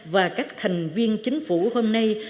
và các thành viên chính phủ hôm nay